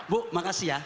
bu makasih ya